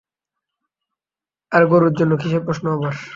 আরে গোরুর জন্য কীসের প্রশ্ন আবার!